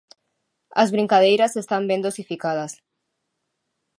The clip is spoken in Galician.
As brincadeiras están ben dosificadas.